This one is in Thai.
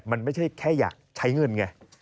มันไม่ใช่แค่อยากใช้เงินไง